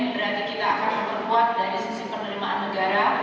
berarti kita akan memperkuat dari sisi penerimaan negara